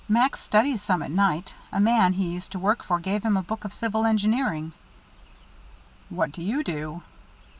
Max studies some at night a man he used to work for gave him a book of civil engineering." "What do you do?"